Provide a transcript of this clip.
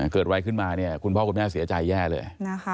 เกิดอะไรขึ้นมาเนี่ยคุณพ่อคุณแม่เสียใจแย่เลย